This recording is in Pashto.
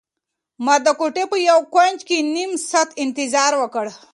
ما د کوټې په یو کنج کې نيم ساعت انتظار وکړ.